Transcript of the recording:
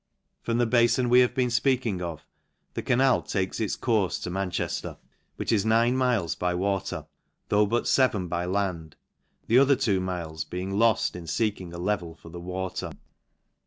From the bafon we have been fpeaking of, the •canal takes its courfe to Manchejler, which is nine miles by water, though but (even by land, the other two miles being loft in feeking.a level for the water.